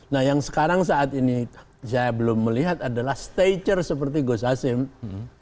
nah yang sekarang saat ini saya belum melihat adalah stager seperti gus hasim